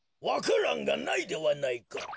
わか蘭がないではないか。